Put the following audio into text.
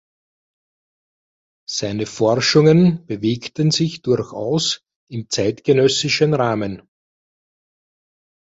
Seine Forschungen bewegten sich durchaus im zeitgenössischen Rahmen.